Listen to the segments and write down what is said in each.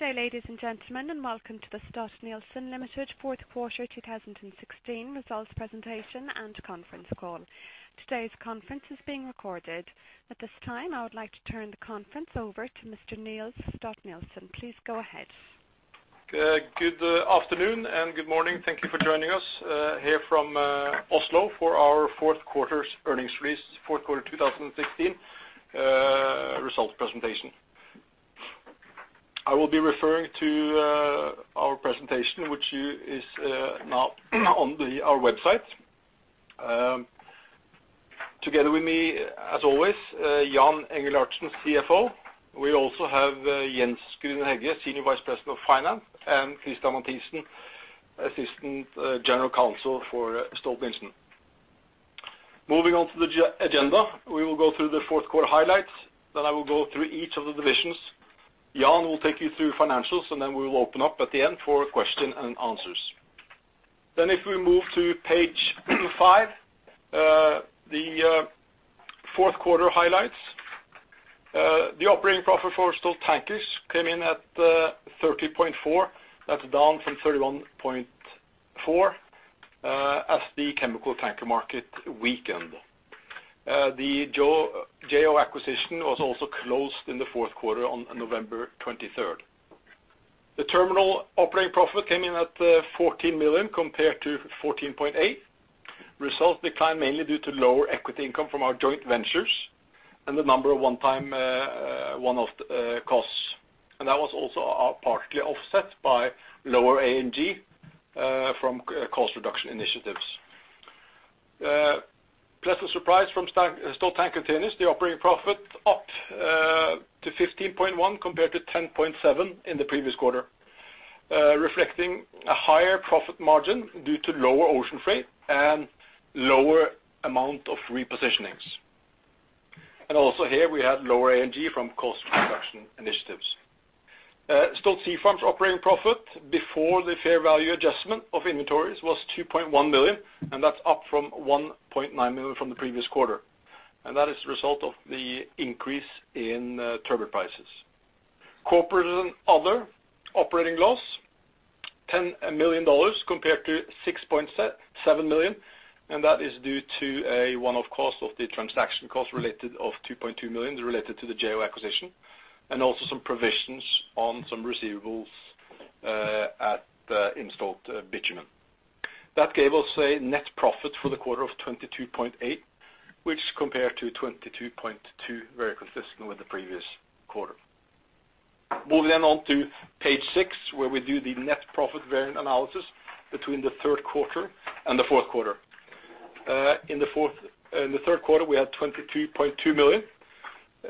Welcome to the Stolt-Nielsen Limited fourth quarter 2016 results presentation and conference call. Today's conference is being recorded. At this time, I would like to turn the conference over to Mr. Niels Stolt-Nielsen. Please go ahead. Good afternoon and good morning. Thank you for joining us here from Oslo for our fourth quarter's earnings release, fourth quarter 2016 results presentation. I will be referring to our presentation, which is now on our website. Together with me, as always, Jan Engelhardtsen, CFO. We also have Jens Grüner-Hegge, Senior Vice President of Finance, and Christa Mathiesen, Assistant General Counsel for Stolt-Nielsen. Moving on to the agenda, we will go through the fourth quarter highlights. I will go through each of the divisions. Jan will take you through financials, and we will open up at the end for question and answers. If we move to page five, the fourth quarter highlights. The operating profit for Stolt Tankers came in at $30.4. That's down from $31.4 as the chemical tanker market weakened. The J.O. acquisition was also closed in the fourth quarter on November 23rd. The terminal operating profit came in at $14 million compared to $14.8 million. Results declined mainly due to lower equity income from our joint ventures and the number of one-off costs. That was also partly offset by lower A&G from cost reduction initiatives. Pleasant surprise from Stolt Tank Containers, the operating profit up to $15.1 compared to $10.7 in the previous quarter, reflecting a higher profit margin due to lower ocean freight and lower amount of repositionings. Also here we had lower A&G from cost reduction initiatives. Stolt Sea Farm's operating profit before the fair value adjustment of inventories was $2.1 million, and that's up from $1.9 million from the previous quarter, and that is the result of the increase in turbot prices. Corporate and other operating loss, $10 million compared to $6.7 million. That is due to a one-off cost of the transaction cost related of $2.2 million related to the J.O. acquisition, and also some provisions on some receivables at the Stolt Bitumen. That gave us a net profit for the quarter of $22.8, which compared to $22.2, very consistent with the previous quarter. Moving on to page six, where we do the net profit variant analysis between the third quarter and the fourth quarter. In the third quarter, we had $22.2 million.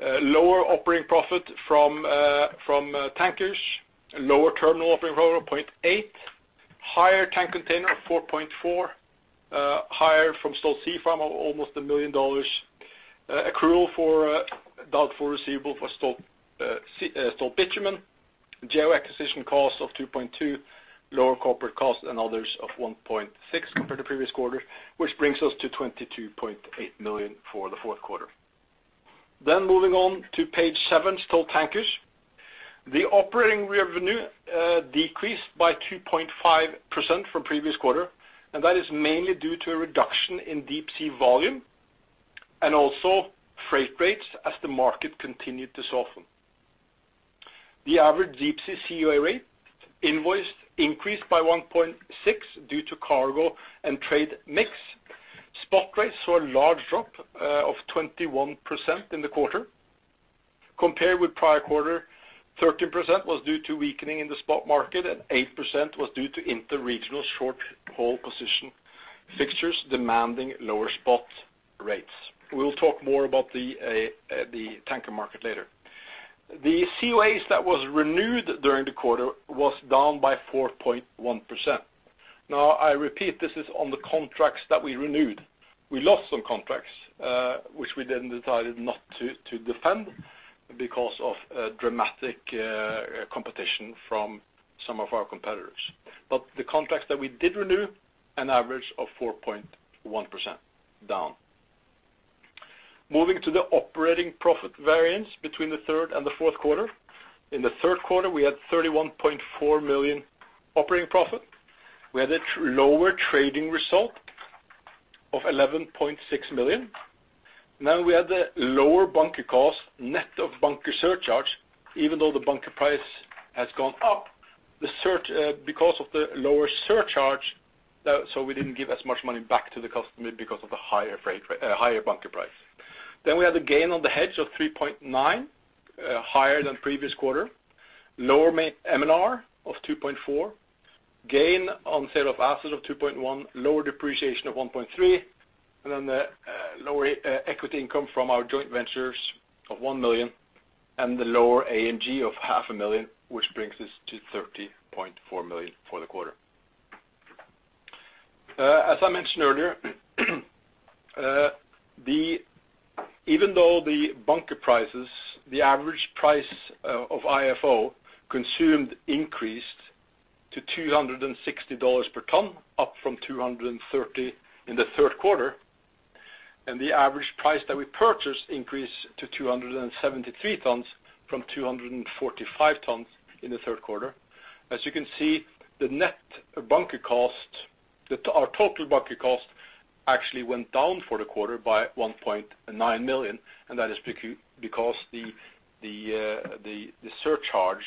Lower operating profit from Tankers, lower terminal operating profit of $0.8, higher tank container of $4.4, higher from Stolt Sea Farm of almost a million dollars. Accrual for doubtful receivable for Stolt Bitumen, J.O. acquisition cost of $2.2, lower corporate cost and others of $1.6 compared to previous quarter, which brings us to $22.8 million for the fourth quarter. Moving on to page seven, Stolt Tankers. The operating revenue decreased by 2.5% from previous quarter, and that is mainly due to a reduction in deep-sea volume and also freight rates as the market continued to soften. The average deep-sea COA rate invoiced increased by 1.6% due to cargo and trade mix. Spot rates saw a large drop of 21% in the quarter. Compared with prior quarter, 13% was due to weakening in the spot market and 8% was due to inter-regional short haul position fixtures demanding lower spot rates. We will talk more about the tanker market later. The COAs that was renewed during the quarter was down by 4.1%. I repeat, this is on the contracts that we renewed. We lost some contracts, which we then decided not to defend because of dramatic competition from some of our competitors. The contracts that we did renew, an average of 4.1% down. Moving to the operating profit variance between the third and the fourth quarter. In the third quarter, we had $31.4 million operating profit. We had a lower trading result of $11.6 million. We had the lower bunker cost, net of bunker surcharge, even though the bunker price has gone up, because of the lower surcharge, so we didn't give as much money back to the customer because of the higher bunker price. We had a gain on the hedge of $3.9, higher than previous quarter. Lower MLR of $2.4. Gain on sale of asset of $2.1. Lower depreciation of $1.3, the lower equity income from our joint ventures of $1 million and the lower A&G of half a million, which brings us to $30.4 million for the quarter. As I mentioned earlier, even though the bunker prices, the average price of IFO consumed increased to $260 per ton, up from $230 in the third quarter. The average price that we purchased increased to 273 tons from 245 tons in the third quarter. As you can see, our total bunker cost actually went down for the quarter by $1.9 million, and that is because the surcharge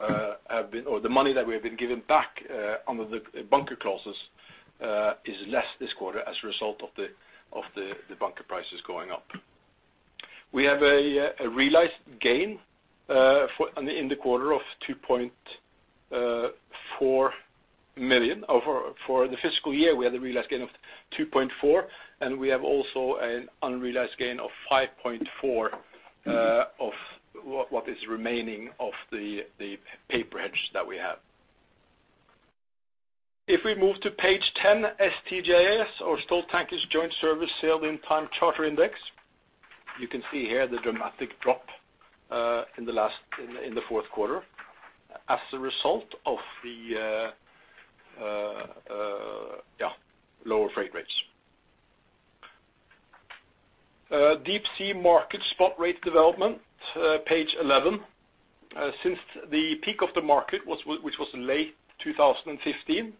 or the money that we have been given back under the bunker clauses is less this quarter as a result of the bunker prices going up. We have a realized gain in the quarter of $2.4 million. For the fiscal year, we had a realized gain of $2.4, we have also an unrealized gain of $5.4 of what is remaining of the paper hedge that we have. Moving to page 10, STJS, our Stolt-Tankers Joint Service Sail-In Time Charter index. You can see here the dramatic drop in the fourth quarter as a result of the lower freight rates. Deepsea market spot rate development, page 11. Since the peak of the market, which was in late 2015,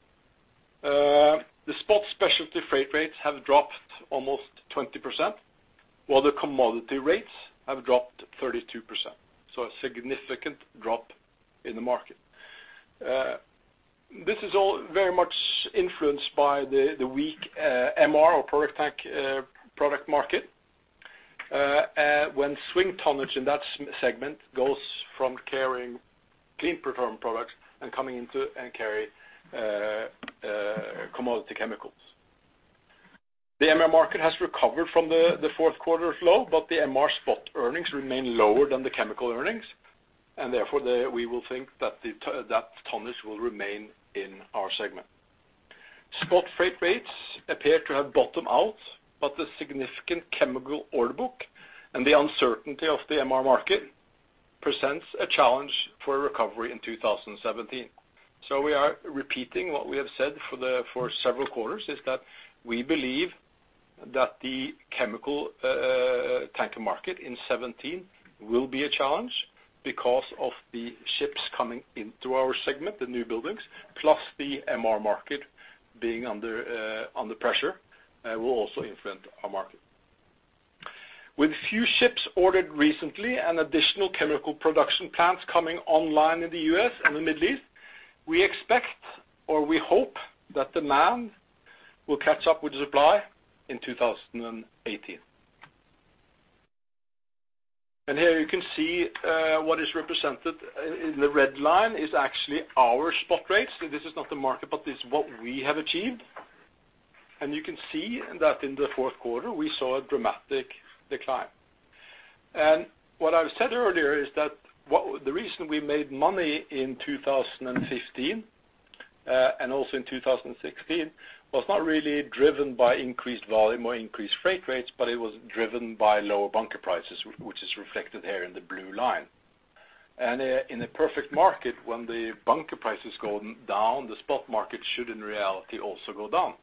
the spot specialty freight rates have dropped almost 20%, while the commodity rates have dropped 32%. A significant drop in the market. This is all very much influenced by the weak MR or product tank product market. When swing tonnage in that segment goes from carrying clean petroleum products and coming into and carry commodity chemicals. The MR market has recovered from the fourth quarter's low, the MR spot earnings remain lower than the chemical earnings, therefore, we will think that tonnage will remain in our segment. Spot freight rates appear to have bottomed out, the significant chemical order book and the uncertainty of the MR market presents a challenge for a recovery in 2017. We are repeating what we have said for several quarters, is that we believe that the chemical tanker market in 2017 will be a challenge because of the ships coming into our segment, the new buildings, plus the MR market being under pressure, will also influence our market. With few ships ordered recently and additional chemical production plants coming online in the U.S. and the Middle East, we expect or we hope that demand will catch up with supply in 2018. Here you can see what is represented in the red line is actually our spot rates. This is not the market, but this is what we have achieved. You can see that in the fourth quarter, we saw a dramatic decline. What I've said earlier is that the reason we made money in 2015, and also in 2016, was not really driven by increased volume or increased freight rates, but it was driven by lower bunker prices, which is reflected here in the blue line. In a perfect market, when the bunker prices go down, the spot market should, in reality, also go down.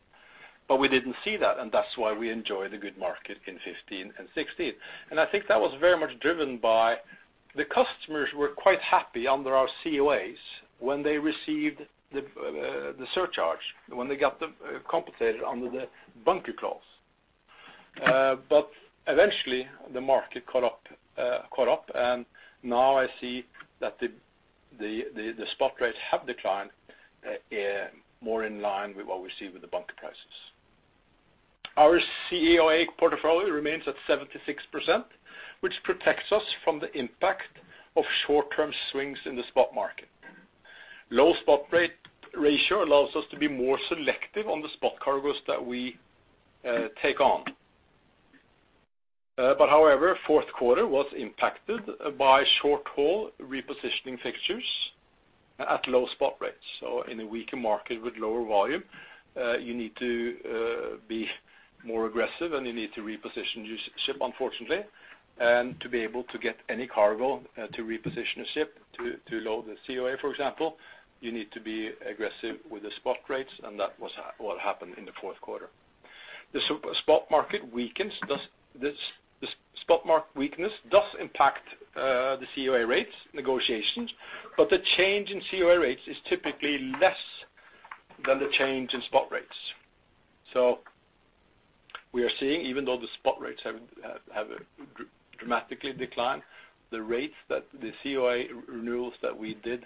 We didn't see that, and that's why we enjoyed a good market in 2015 and 2016. I think that was very much driven by the customers who were quite happy under our COAs when they received the surcharge, when they got compensated under the bunker clause. Eventually, the market caught up, and now I see that the spot rates have declined more in line with what we see with the bunker prices. Our COA portfolio remains at 76%, which protects us from the impact of short-term swings in the spot market. Low spot rate ratio allows us to be more selective on the spot cargoes that we take on. However, fourth quarter was impacted by short-haul repositioning fixtures at low spot rates. In a weaker market with lower volume, you need to be more aggressive, and you need to reposition your ship, unfortunately. To be able to get any cargo to reposition a ship to load the COA, for example, you need to be aggressive with the spot rates, and that was what happened in the fourth quarter. The spot market weakness does impact the COA rates negotiations, the change in COA rates is typically less than the change in spot rates. We are seeing, even though the spot rates have dramatically declined, the rates that the COA renewals that we did,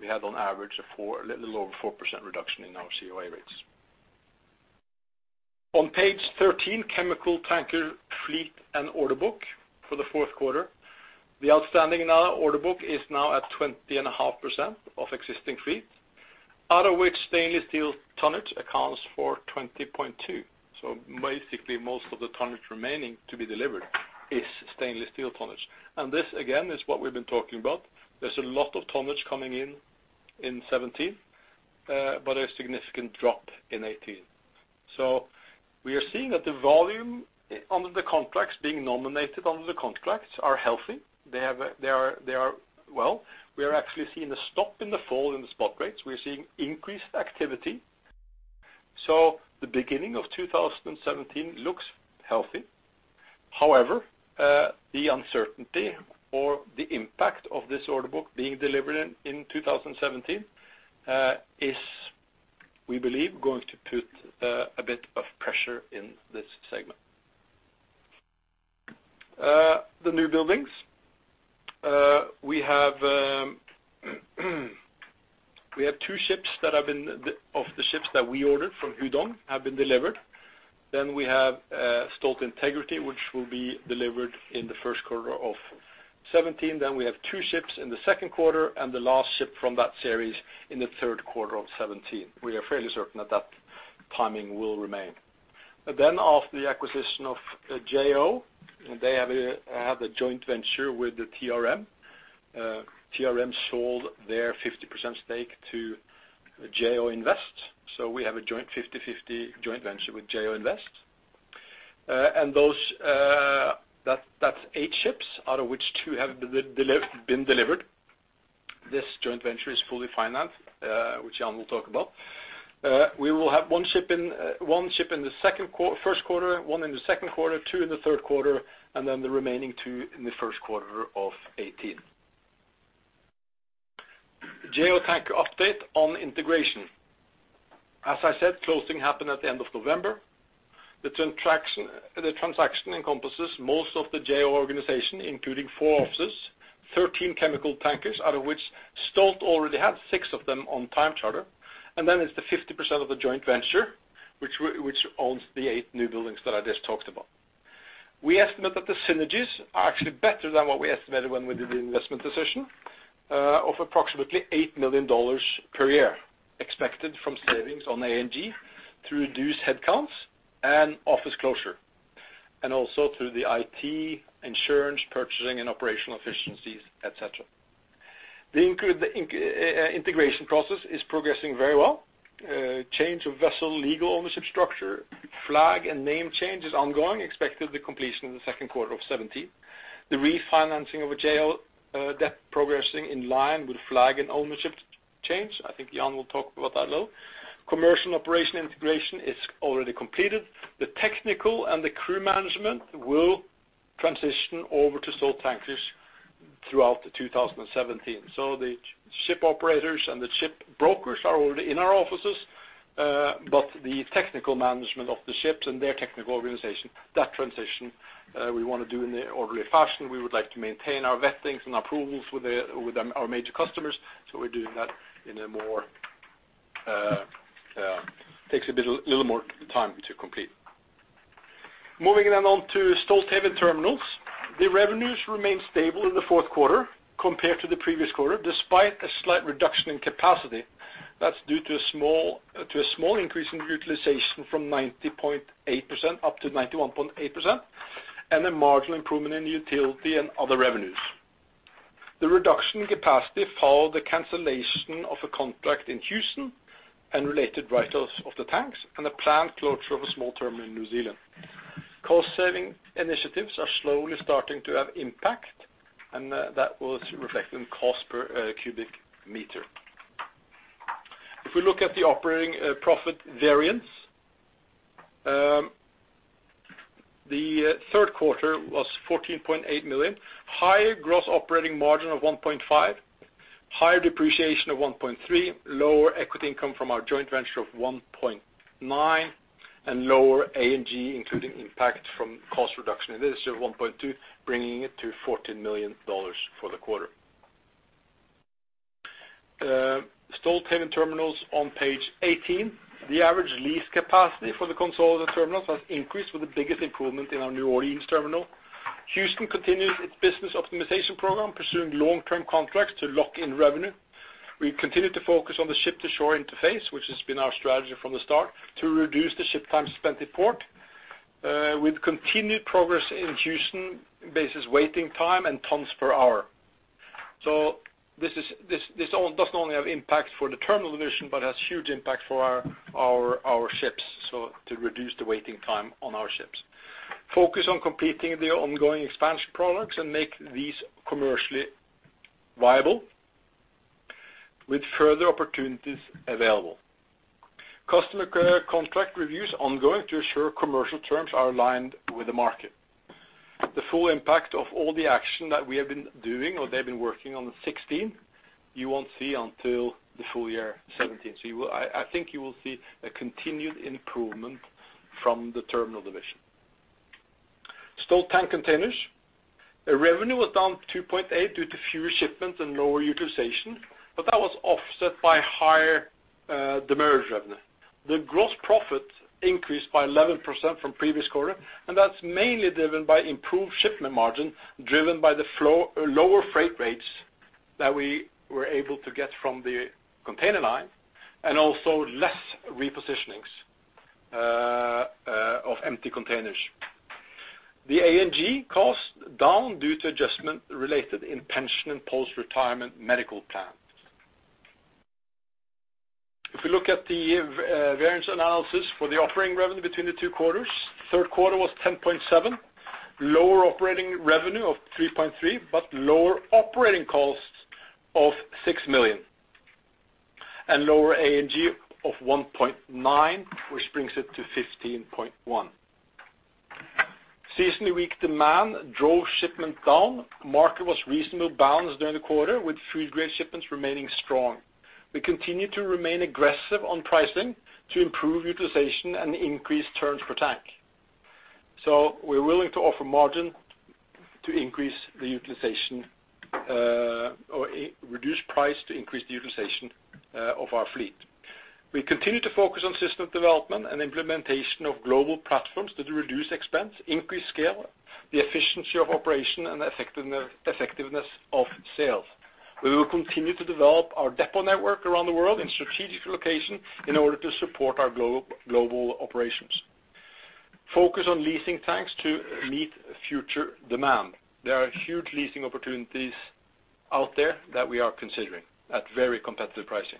we had on average a little over 4% reduction in our COA rates. On page 13, chemical tanker fleet and order book for the fourth quarter. The outstanding in our order book is now at 20.5% of existing fleet, out of which stainless steel tonnage accounts for 20.2%. Basically, most of the tonnage remaining to be delivered is stainless steel tonnage. This, again, is what we've been talking about. There's a lot of tonnage coming in in 2017, but a significant drop in 2018. We are seeing that the volume under the contracts, being nominated under the contracts, are healthy. They are well. We are actually seeing a stop in the fall in the spot rates. We are seeing increased activity. The beginning of 2017 looks healthy. However, the uncertainty or the impact of this order book being delivered in 2017 is, we believe, going to put a bit of pressure in this segment. The newbuildings. We have two of the ships that we ordered from Hudong have been delivered. We have Stolt Integrity, which will be delivered in the first quarter of 2017. We have two ships in the second quarter and the last ship from that series in the third quarter of 2017. We are fairly certain that timing will remain. After the acquisition of J.O., they have a joint venture with TRM. TRM sold their 50% stake to J.O. Invest. We have a 50/50 joint venture with J.O. Invest. That's eight ships, out of which two have been delivered. This joint venture is fully financed, which Jan will talk about. We will have one ship in the first quarter, one in the second quarter, two in the third quarter, and the remaining two in the first quarter of 2018. Jo Tankers update on integration. As I said, closing happened at the end of November. The transaction encompasses most of the Jo Tankers organization, including four offices, 13 chemical tankers, out of which Stolt already had six of them on time charter, and it's the 50% of the joint venture, which owns the eight newbuildings that I just talked about. We estimate that the synergies are actually better than what we estimated when we did the investment decision of approximately $8 million per year, expected from savings on A&G through reduced headcounts and office closure, and also through the IT, insurance, purchasing and operational efficiencies, et cetera. The integration process is progressing very well. Change of vessel, legal ownership structure, flag and name change is ongoing, expected the completion in the second quarter of 2017. The refinancing of Jo Tankers debt progressing in line with flag and ownership change. I think Jan will talk about that a little. Commercial operation integration is already completed. The technical and the crew management will transition over to Stolt Tankers throughout 2017. The ship operators and the ship brokers are already in our offices, but the technical management of the ships and their technical organization, that transition we want to do in the orderly fashion. We would like to maintain our vettings and approvals with our major customers. We're doing that in a more. Takes a little more time to complete. Moving on to Stolthaven Terminals. The revenues remain stable in the fourth quarter compared to the previous quarter, despite a slight reduction in capacity. That's due to a small increase in utilization from 90.8% up to 91.8%, and a marginal improvement in utility and other revenues. The reduction in capacity followed the cancellation of a contract in Houston and related write-offs of the tanks and a planned closure of a small terminal in New Zealand. Cost-saving initiatives are slowly starting to have impact. That was reflected in cost per cubic meter. If we look at the operating profit variance, the third quarter was $14.8 million. Higher gross operating margin of $1.5, higher depreciation of $1.3, lower equity income from our joint venture of $1.9, and lower A&G, including impact from cost reduction initiative $1.2, bringing it to $14 million for the quarter. Stolthaven Terminals on page 18. The average lease capacity for the consolidated terminals has increased with the biggest improvement in our New Orleans terminal. Houston continues its business optimization program, pursuing long-term contracts to lock in revenue. We continue to focus on the ship-to-shore interface, which has been our strategy from the start, to reduce the ship time spent at port. With continued progress in Houston-based waiting time and tons per hour. This doesn't only have impact for the terminal division, but has huge impact for our ships, to reduce the waiting time on our ships. Focus on completing the ongoing expansion projects and make these commercially viable with further opportunities available. Customer contract reviews ongoing to ensure commercial terms are aligned with the market. The full impact of all the action that we have been doing or they've been working on in 2016, you won't see until the full year 2017. I think you will see a continued improvement from the terminal division. Stolt Tank Containers. Revenue was down $2.8 due to fewer shipments and lower utilization. That was offset by higher demurrage revenue. The gross profit increased by 11% from previous quarter. That's mainly driven by improved shipment margin, driven by the lower freight rates that we were able to get from the container line and also less repositionings of empty containers. The A&G cost was down due to adjustment related to pension and post-retirement medical plans. If we look at the variance analysis for the operating revenue between the two quarters, third quarter was $10.7. Lower operating revenue of $3.3, lower operating costs of $6 million. Lower A&G of $1.9, which brings it to $15.1. Seasonally weak demand drove shipments down. Market was reasonably balanced during the quarter, with food grade shipments remaining strong. We continue to remain aggressive on pricing to improve utilization and increase turns per tank. We're willing to offer margin to increase the utilization or reduce price to increase the utilization of our fleet. We continue to focus on system development and implementation of global platforms that reduce expense, increase scale, efficiency of operation, and effectiveness of sales. We will continue to develop our depot network around the world in strategic locations in order to support our global operations. Focus on leasing tanks to meet future demand. There are huge leasing opportunities out there that we are considering at very competitive pricing.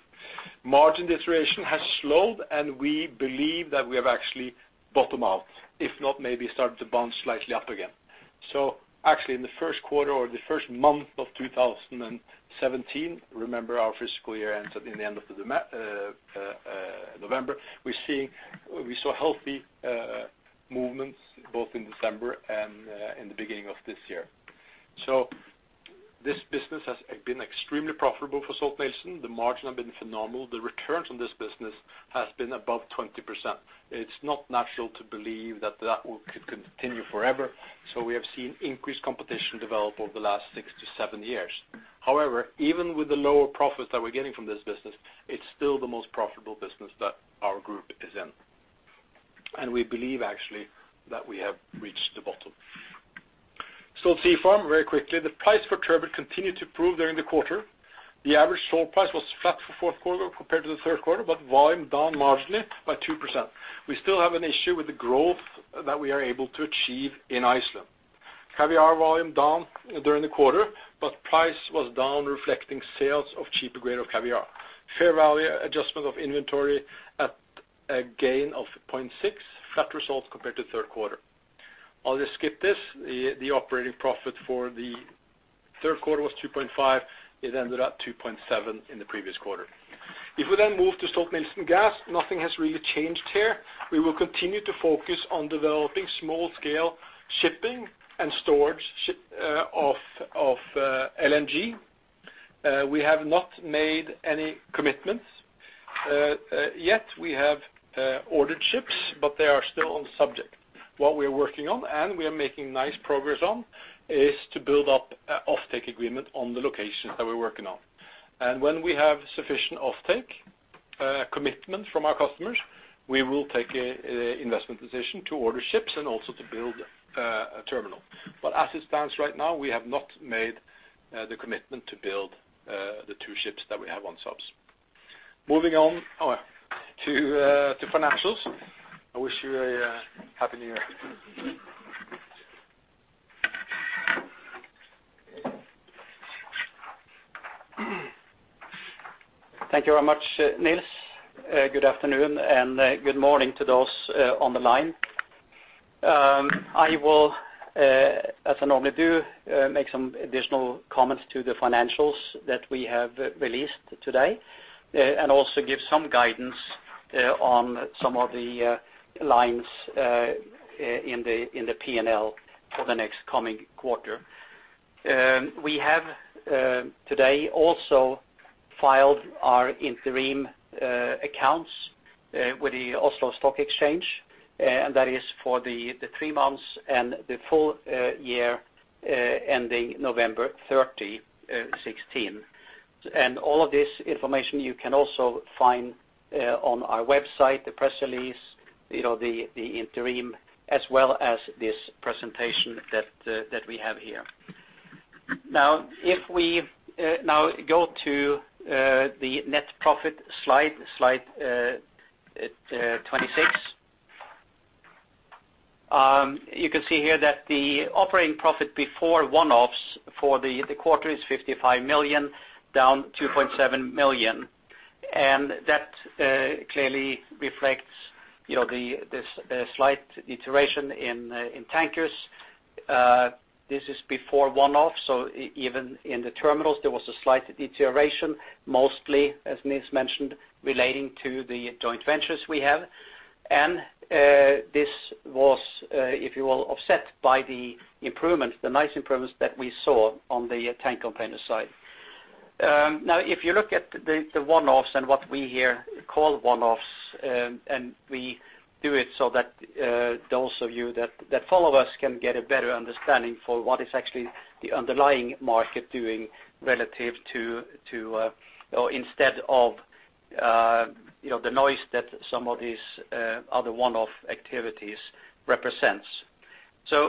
Margin deterioration has slowed. We believe that we have actually bottomed out, if not maybe started to bounce slightly up again. Actually, in the first quarter or the first month of 2017, remember our fiscal year ends up in the end of November, we saw healthy movements both in December and in the beginning of this year. This business has been extremely profitable for Stolt-Nielsen. The margin has been phenomenal. The returns on this business has been above 20%. It's not natural to believe that that could continue forever. We have seen increased competition develop over the last six to seven years. However, even with the lower profits that we're getting from this business, it's still the most profitable business that our group is in. We believe, actually, that we have reached the bottom. Stolt Sea Farm, very quickly. The price for turbot continued to improve during the quarter. The average sale price was flat for fourth quarter compared to the third quarter, but volume down marginally by 2%. We still have an issue with the growth that we are able to achieve in Iceland. Caviar volume down during the quarter, but price was down reflecting sales of cheaper grade of caviar. Fair value adjustment of inventory at a gain of $0.6, flat results compared to third quarter. I'll just skip this. The operating profit for the third quarter was $2.5. It ended at $2.7 in the previous quarter. If we move to Stolt-Nielsen Gas, nothing has really changed here. We will continue to focus on developing small scale shipping and storage of LNG. We have not made any commitments. Yet we have ordered ships, but they are still on subject. What we are working on and we are making nice progress on is to build up off-take agreement on the locations that we're working on. When we have sufficient off-take commitment from our customers, we will take investment decision to order ships and also to build a terminal. As it stands right now, we have not made the commitment to build the two ships that we have on subs. Moving on to financials. I wish you a Happy New Year. Thank you very much, Niels. Good afternoon and good morning to those on the line. I will as I normally do, make some additional comments to the financials that we have released today, and also give some guidance on some of the lines in the P&L for the next coming quarter. We have today also filed our interim accounts with the Oslo Stock Exchange, and that is for the three months and the full year ending November 30, 2016. All of this information you can also find on our website, the press release, the interim, as well as this presentation that we have here. If we now go to the net profit slide 26. You can see here that the operating profit before one-offs for the quarter is $55 million, down $2.7 million. That clearly reflects the slight deterioration in tankers. This is before one-off, so even in the Terminals, there was a slight deterioration, mostly, as Niels mentioned, relating to the joint ventures we have. This was if you will, offset by the nice improvements that we saw on the Stolt Tank Containers side. If you look at the one-offs and what we here call one-offs, and we do it so that those of you that follow us can get a better understanding for what is actually the underlying market doing relative to or instead of the noise that some of these other one-off activities represents.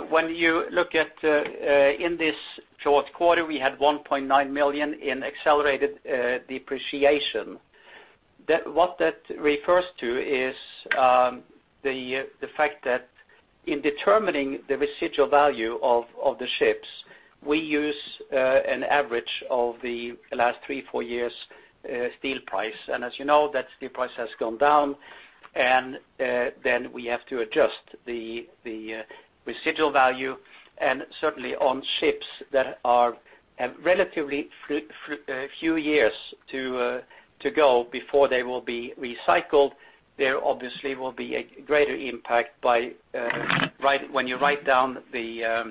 When you look at in this short quarter, we had $1.9 million in accelerated depreciation. What that refers to is the fact that in determining the residual value of the ships, we use an average of the last three, four years' steel price. As you know, that steel price has gone down, then we have to adjust the residual value. Certainly on ships that have relatively few years to go before they will be recycled, there obviously will be a greater impact when you write down the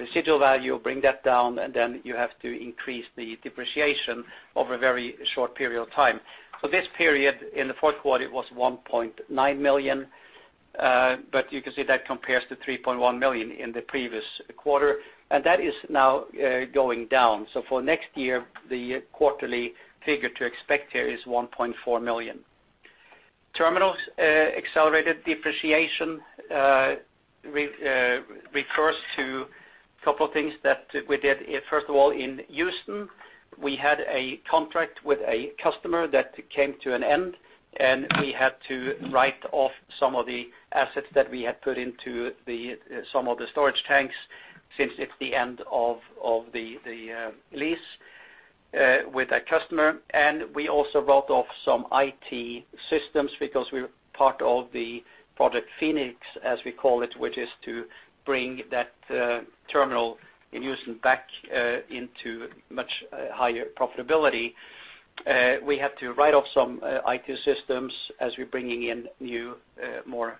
residual value, bring that down, then you have to increase the depreciation over a very short period of time. This period in the fourth quarter was $1.9 million, but you can see that compares to $3.1 million in the previous quarter, and that is now going down. For next year, the quarterly figure to expect here is $1.4 million. Terminals accelerated depreciation refers to a couple of things that we did. In Houston, we had a contract with a customer that came to an end, and we had to write off some of the assets that we had put into some of the storage tanks, since it's the end of the lease with that customer. We also wrote off some IT systems because we're part of the Project Phoenix, as we call it, which is to bring that terminal in Houston back into much higher profitability. We have to write off some IT systems as we're bringing in new, more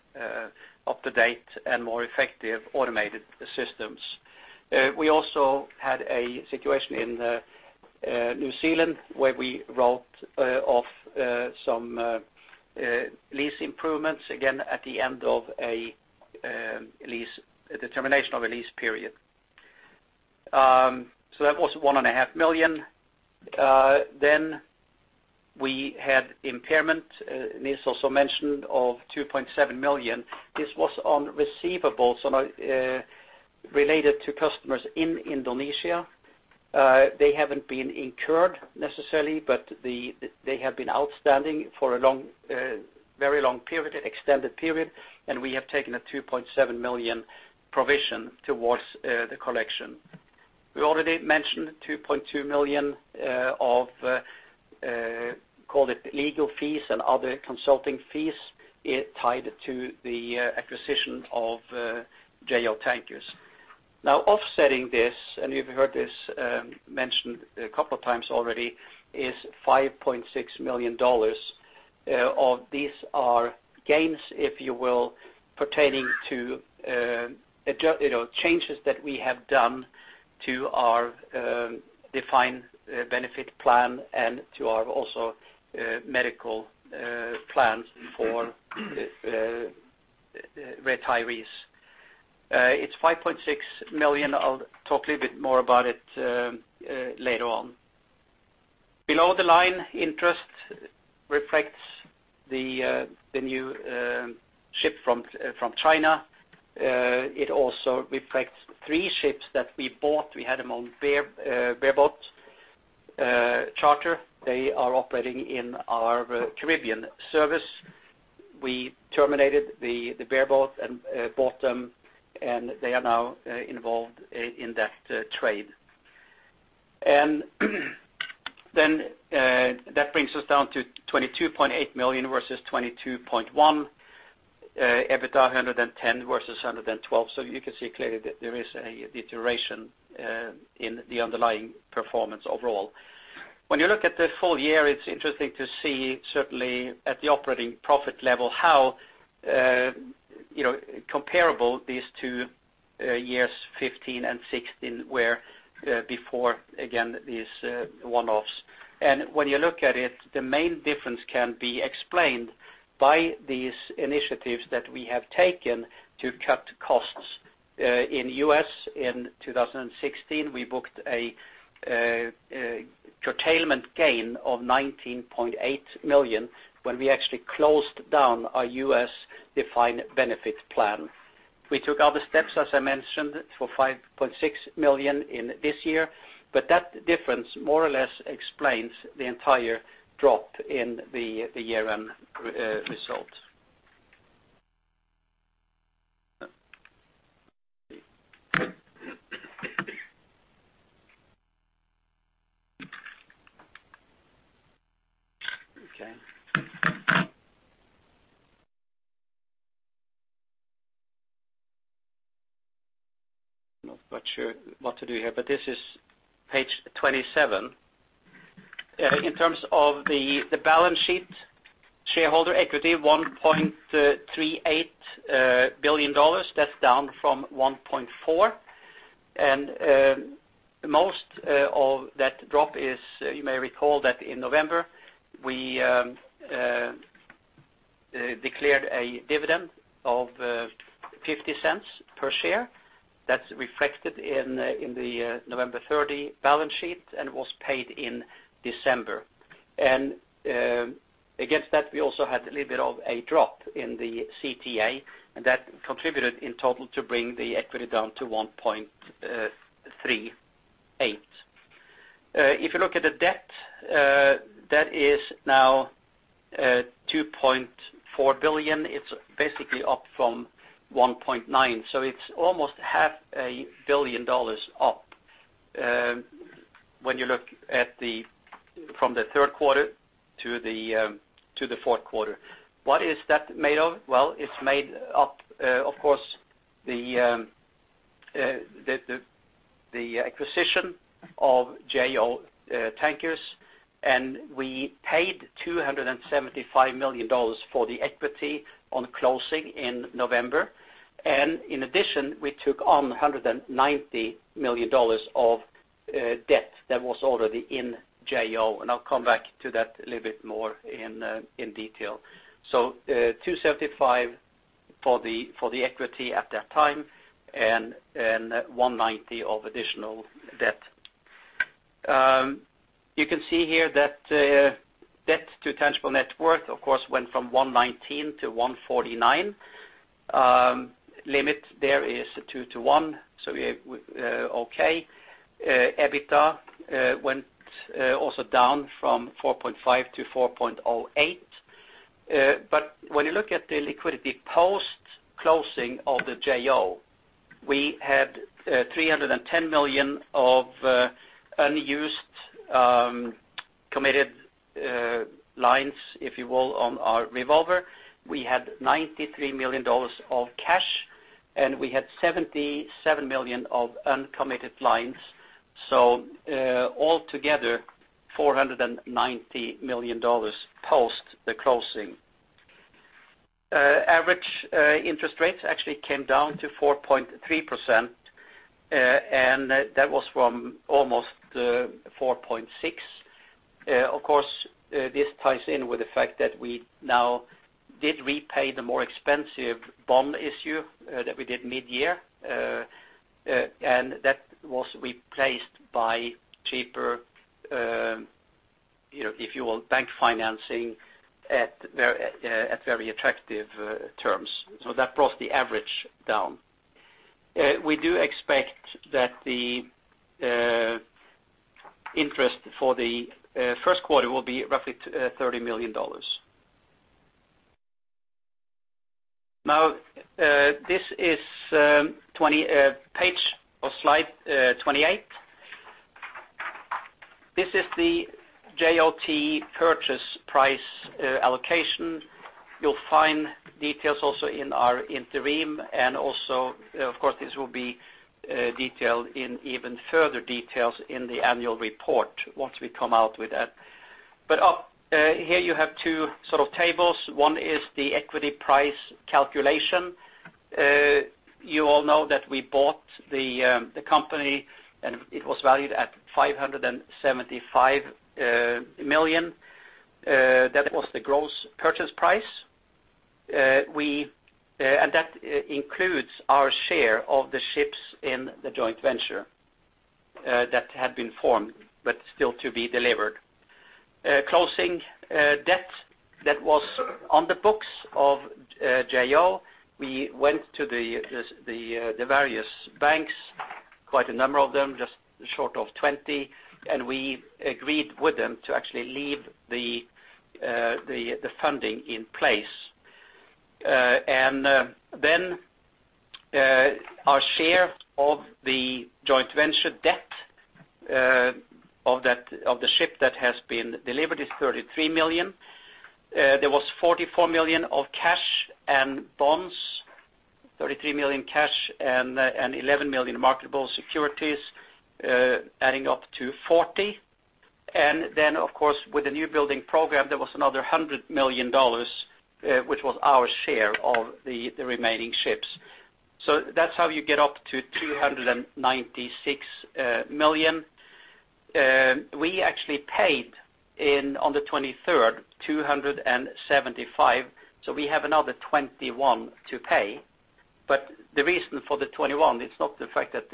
up-to-date, and more effective automated systems. We also had a situation in New Zealand where we wrote off some lease improvements, again, at the end of a determination of a lease period. That was $1.5 million. We had impairment, Niels also mentioned, of $2.7 million. This was on receivables related to customers in Indonesia. They haven't been incurred necessarily, but they have been outstanding for a very long period, extended period, and we have taken a $2.7 million provision towards the collection. We already mentioned $2.2 million of, call it legal fees and other consulting fees tied to the acquisition of Jo Tankers. Offsetting this, and you've heard this mentioned a couple of times already, is $5.6 million of these are gains, if you will, pertaining to changes that we have done to our defined benefit plan and to our also medical plans for retirees. It's $5.6 million. I'll talk a little bit more about it later on. Below the line interest reflects the new ship from China. It also reflects three ships that we bought. We had them on bareboat charter. They are operating in our Caribbean service. We terminated the bareboat and bought them, and they are now involved in that trade. That brings us down to $22.8 million versus $22.1. EBITDA $110 versus $112. You can see clearly that there is a deterioration in the underlying performance overall. When you look at the full year, it's interesting to see certainly at the operating profit level how comparable these two years 2015 and 2016 were before, again, these one-offs. When you look at it, the main difference can be explained by these initiatives that we have taken to cut costs. In U.S. in 2016, we booked a curtailment gain of $19.8 million when we actually closed down our U.S. defined benefit plan. We took other steps, as I mentioned, for $5.6 million in this year, that difference more or less explains the entire drop in the year-end result. Okay. I'm not sure what to do here, this is page 27. In terms of the balance sheet, shareholder equity, $1.38 billion. That's down from $1.4. Most of that drop is, you may recall that in November we declared a dividend of $0.50 per share. That's reflected in the November 30 balance sheet and was paid in December. Against that, we also had a little bit of a drop in the CTA, that contributed in total to bring the equity down to $1.38. If you look at the debt, that is now $2.4 billion. It's basically up from $1.9, it's almost half a billion dollars up, when you look from the third quarter to the fourth quarter. What is that made of? It's made up, of course, the acquisition of Jo Tankers, and we paid $275 million for the equity on closing in November. In addition, we took on $190 million of debt that was already in J.O., and I'll come back to that a little bit more in detail. $275 for the equity at that time, and $190 of additional debt. You can see here that debt to tangible net worth, of course, went from 119 to 149. Limit there is 2 to 1, we're okay. EBITDA went also down from $4.5 to $4.08. When you look at the liquidity post-closing of the J.O., we had $310 million of unused committed lines, if you will, on our revolver. We had $93 million of cash, and we had $77 million of uncommitted lines. Altogether, $490 million post the closing. Average interest rates actually came down to 4.3%, that was from almost 4.6%. This ties in with the fact that we now did repay the more expensive bond issue that we did mid-year, and that was replaced by cheaper, if you will, bank financing at very attractive terms. That brought the average down. We do expect that the interest for the first quarter will be roughly $30 million. This is page or slide 28. This is the JOT purchase price allocation. You'll find details also in our interim, this will be detailed in even further details in the annual report once we come out with that. Up here you have two tables. One is the equity price calculation. You all know that we bought the company, it was valued at $575 million. That was the gross purchase price. That includes our share of the ships in the joint venture that had been formed, but still to be delivered. Closing debt that was on the books of J.O., we went to the various banks, quite a number of them, just short of 20, we agreed with them to actually leave the funding in place. Our share of the joint venture debt of the ship that has been delivered is $33 million. There was $44 million of cash and bonds, $33 million cash and $11 million marketable securities, adding up to $40 million. Of course, with the new building program, there was another $100 million, which was our share of the remaining ships. That's how you get up to $296 million. We actually paid on the 23rd, $275 million, we have another $21 million to pay. The reason for the $21 million, it's not the fact that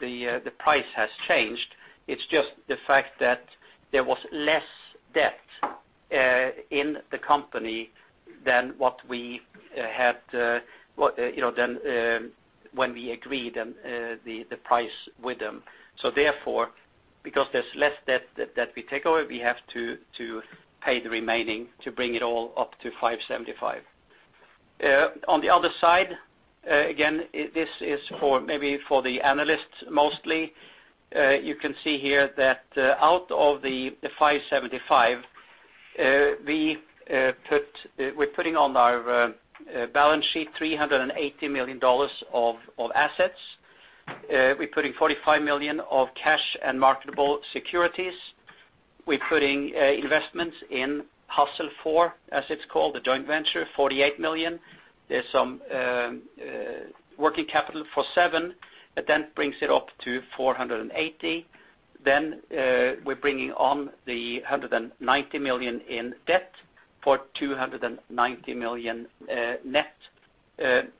the price has changed, it's just the fact that there was less debt in the company than when we agreed on the price with them. Therefore, because there's less debt that we take over, we have to pay the remaining to bring it all up to $575 million. On the other side, again, this is maybe for the analysts mostly. You can see here that out of the $575 million, we're putting on our balance sheet $380 million of assets. We're putting $45 million of cash and marketable securities. We're putting investments in Hassel Shipping 4, as it's called, the joint venture, $48 million. There's some working capital for $7 million. Brings it up to $480 million. We're bringing on the $190 million in debt for $290 million net,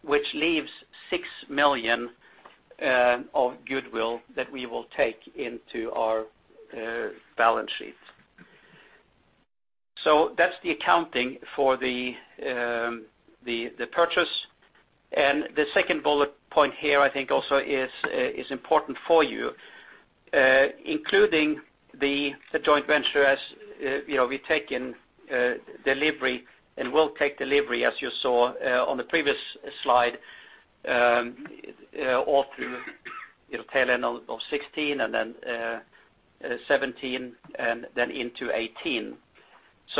which leaves $6 million of goodwill that we will take into our balance sheet. That's the accounting for the purchase. The second bullet point here, I think, also is important for you. Including the joint venture, as we take in delivery and will take delivery, as you saw on the previous slide, all through tail end of 2016, 2017, and then into 2018.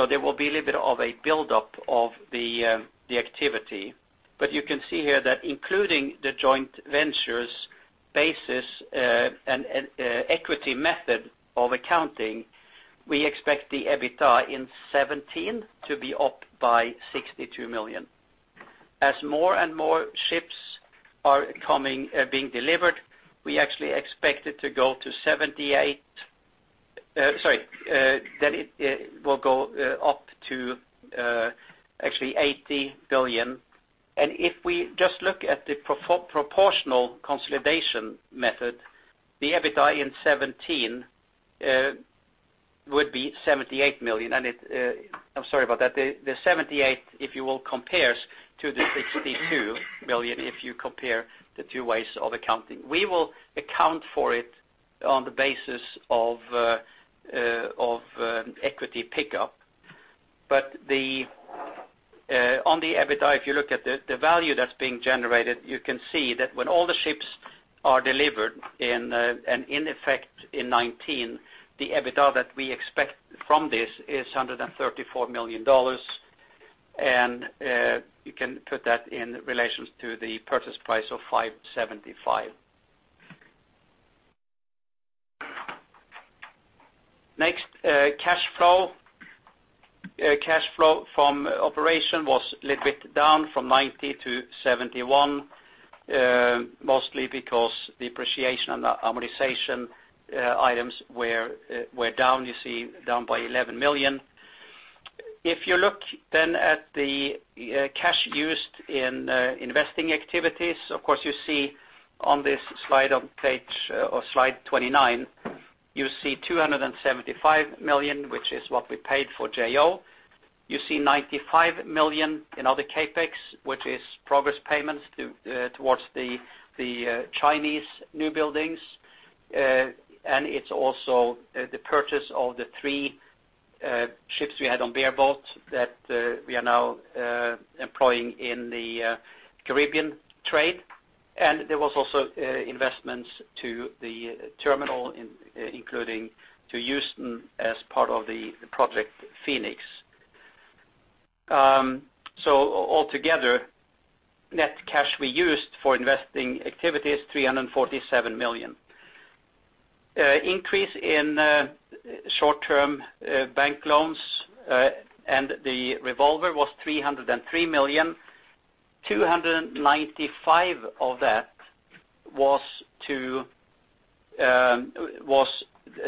There will be a little bit of a build-up of the activity. You can see here that including the joint venture's basis and equity method of accounting, we expect the EBITDA in 2017 to be up by $62 million. As more and more ships are being delivered, we actually expect that it will go up to actually $80 million. If we just look at the proportional consolidation method, the EBITDA in 2017 would be $78 million. I'm sorry about that. The $78 million, if you will, compares to the $62 million, if you compare the two ways of accounting. We will account for it on the basis of equity pickup. On the EBITDA, if you look at the value that's being generated, you can see that when all the ships are delivered and in effect in 2019, the EBITDA that we expect from this is $134 million. You can put that in relations to the purchase price of $575 million. Next, cash flow. Cash flow from operation was a little bit down from $90 million to $71 million, mostly because depreciation and amortization items were down, you see, down by $11 million. If you look at the cash used in investing activities, of course, you see on this slide 29, you see $275 million, which is what we paid for JO. You see $95 million in other CapEx, which is progress payments towards the Chinese new buildings. It's also the purchase of the three ships we had on bare boat that we are now employing in the Caribbean trade. There was also investments to the terminal, including to Houston as part of the Project Phoenix. Altogether, net cash we used for investing activity is $347 million. Increase in short-term bank loans and the revolver was $303 million. $295 million of that was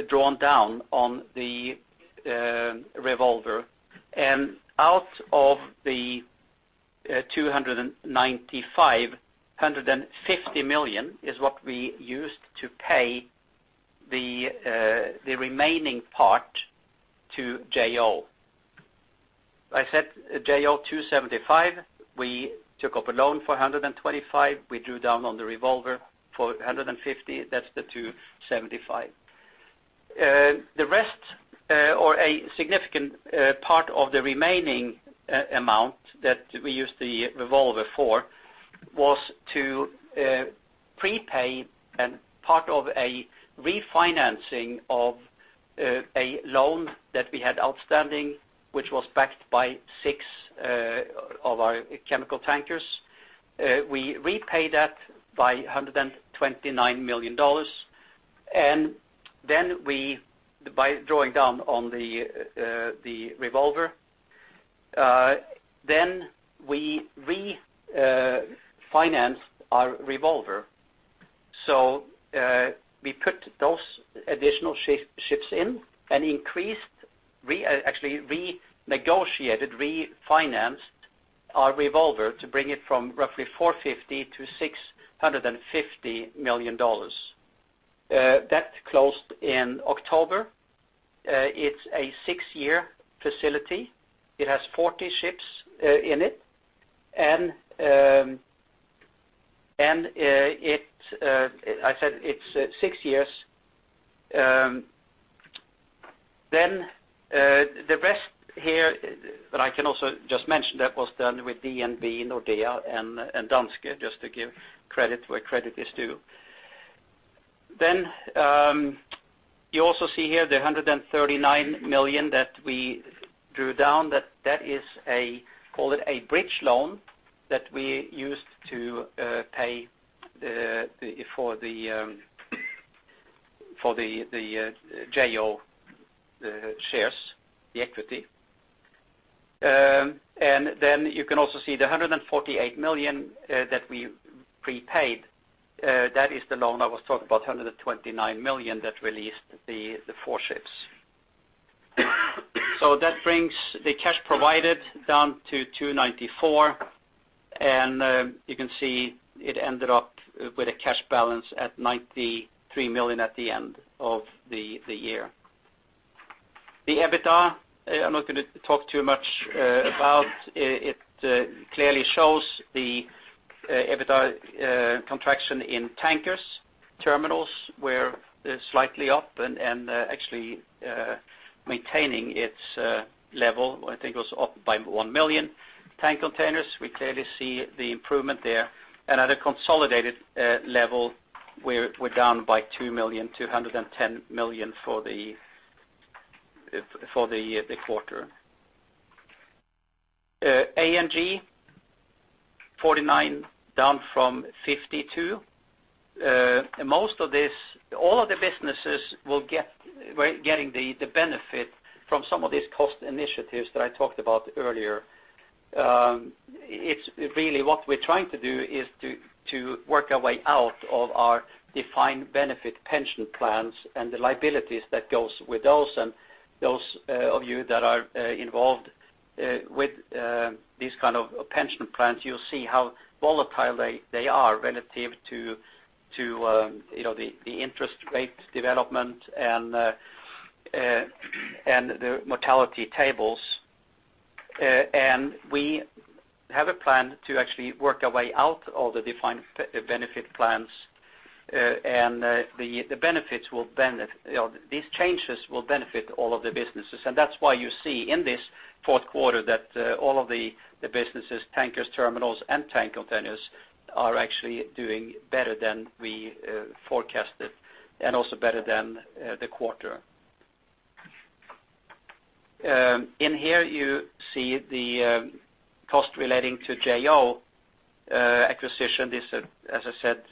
drawn down on the revolver. Out of the $295 million, $150 million is what we used to pay the remaining part to JO. I said JO $275 million, we took up a loan for $125 million. We drew down on the revolver for $150 million. That's the $275 million. The rest or a significant part of the remaining amount that we used the revolver for was to prepay and part of a refinancing of a loan that we had outstanding, which was backed by six of our chemical tankers. We repay that by $129 million. By drawing down on the revolver, we refinanced our revolver. So we put those additional ships in and increased, actually renegotiated, refinanced our revolver to bring it from roughly $450 million to $650 million. That closed in October. It's a six-year facility. It has 40 ships in it. I said it's six years. The rest here that I can also just mention that was done with DNB, Nordea, and Danske, just to give credit where credit is due. You also see here the $139 million that we drew down. That is, call it a bridge loan that we used to pay for the JO shares, the equity. You can also see the $148 million that we prepaid. That is the loan I was talking about, $129 million that released the four ships. So that brings the cash provided down to $294 million. You can see it ended up with a cash balance at $93 million at the end of the year. The EBITDA, I'm not going to talk too much about. It clearly shows the EBITDA contraction in tankers. Terminals were slightly up and actually maintaining its level. I think it was up by $1 million. Tank containers, we clearly see the improvement there. At a consolidated level, we're down by $2 million, $210 million for the quarter. A&G, $49 million down from $52 million. All of the businesses were getting the benefit from some of these cost initiatives that I talked about earlier. Really what we're trying to do is to work our way out of our defined benefit pension plans and the liabilities that goes with those. Those of you that are involved with these kind of pension plans, you'll see how volatile they are relative to the interest rate development and the mortality tables. We have a plan to actually work our way out of the defined benefit plans. These changes will benefit all of the businesses. That's why you see in this fourth quarter that all of the businesses, tankers, terminals, and tank containers, are actually doing better than we forecasted and also better than the quarter. In here, you see the cost relating to JO acquisition. This, as I said,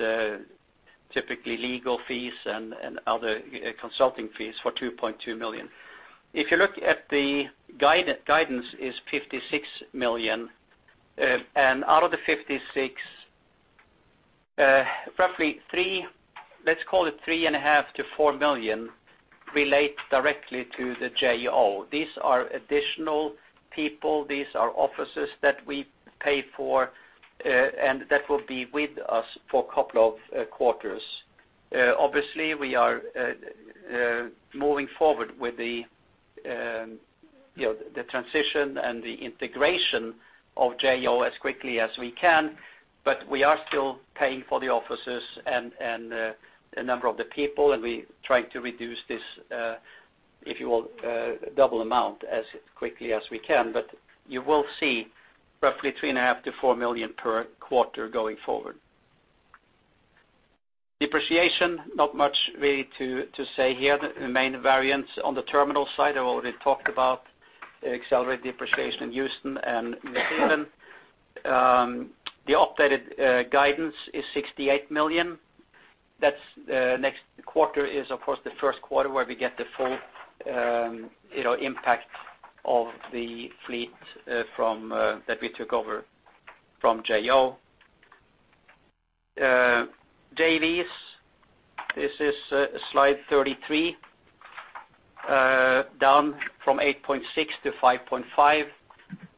typically legal fees and other consulting fees for $2.2 million. If you look at the guidance, is $56 million. Out of the $56, roughly three, let's call it $3.5 million-$4 million relate directly to the JO. These are additional people, these are offices that we pay for, and that will be with us for a couple of quarters. Obviously, we are moving forward with the transition and the integration of JO as quickly as we can, but we are still paying for the offices and a number of the people, and we try to reduce this, if you will, double amount as quickly as we can. You will see roughly $3.5 million-$4 million per quarter going forward. Depreciation, not much really to say here. The main variance on the terminal side, I've already talked about accelerated depreciation in Houston and Velsen. The updated guidance is $68 million. Next quarter is, of course, the first quarter where we get the full impact of the fleet that we took over from JO. JVs, this is slide 33, down from $8.6-$5.5.